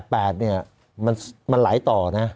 คุณรู้ไหม๘๘เนี่ยมันไหลต่อนะ